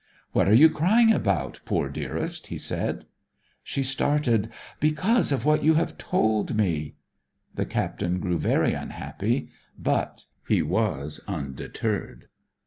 'What are you crying about, poor dearest?' he said. She started. 'Because of what you have told me!' The Captain grew very unhappy; but he was undeterred.